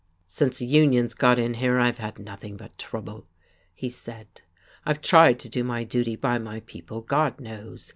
"Since the unions got in here I've had nothing but trouble," he said. "I've tried to do my duty by my people, God knows.